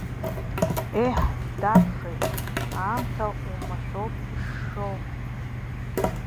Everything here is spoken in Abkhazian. Еҳ, дадхеит, аамҭа оумашәоуп ишшоу!